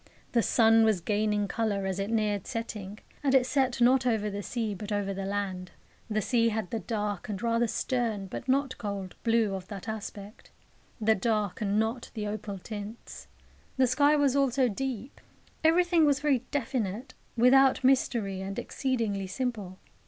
The sun was gaining colour as it neared setting, and it set not over the sea, but over the land. The sea had the dark and rather stern, but not cold, blue of that aspect the dark and not the opal tints. The sky was also deep. Everything was very definite, without mystery, and exceedingly simple.